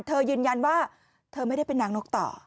ยืนยันว่าเธอไม่ได้เป็นนางนกต่อ